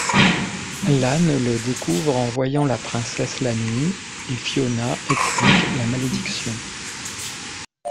L'Âne le découvre en voyant la princesse la nuit, et Fiona explique la malédiction.